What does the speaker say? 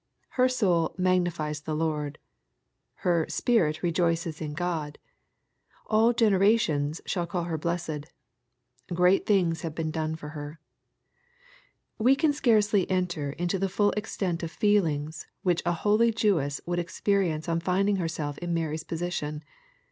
Her "soul magnifies the Lord." Her " spirit rejoices in God." " All generations shall call her blessed." "Great things have been done for her." We can scarcely enter into the full extent of feelings which a holy Jewess would experience on finding herself lu MaiyB position.